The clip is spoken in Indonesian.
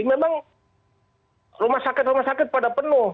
memang rumah sakit rumah sakit pada penuh